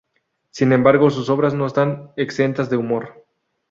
Sin embargo, sus obras no están exentas de humor.